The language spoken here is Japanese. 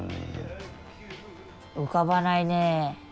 浮かばないねえ。